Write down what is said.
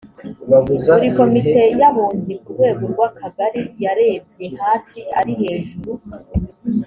buri komite y abunzi ku rwego rw akagari yarebye hasi ari hejuru